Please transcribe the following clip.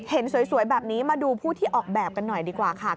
เห็นสวยแบบนี้มาดูผู้ที่ออกแบบกันหน่อยดีกว่าค่ะ